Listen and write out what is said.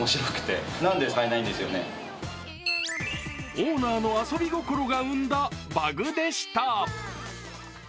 オーナーの遊び心が生んだバグでした。